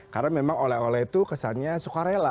karena memang oleh oleh itu kesannya sukarela